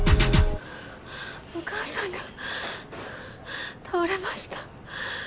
お母さんが倒れました。